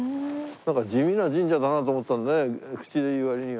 なんか地味な神社だなと思った口で言う割には。